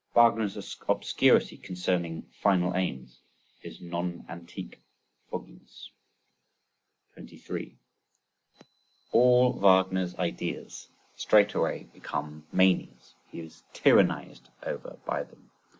Wagner's obscurity concerning final aims; his non antique fogginess. 23. All Wagner's ideas straightway become manias; he is tyrannised over by them.